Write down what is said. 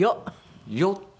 「よっ！」。